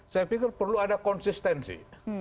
saya pikir perlu ada konsistensi